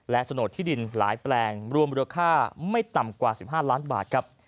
และสนุทธิดินหลายแปลงรวมราคาไม่ต่ำกว่า๑๕ล้านบาทครับ